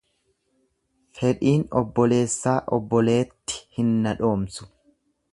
Fedhiin obboleessaa obboleetti hin nadhoomsu.